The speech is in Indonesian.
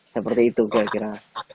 seperti itu saya kira